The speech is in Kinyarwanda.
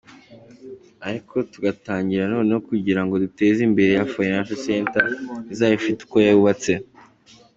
Ariko tugatangira noneho kugira ngo duteze imbere ya ‘Financial Center’ izaba ifite uko yubatse”.